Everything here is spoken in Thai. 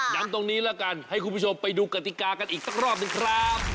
ตรงนี้แล้วกันให้คุณผู้ชมไปดูกติกากันอีกสักรอบหนึ่งครับ